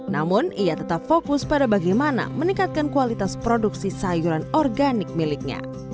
namun ia tetap fokus pada bagaimana meningkatkan kualitas produksi sayuran organik miliknya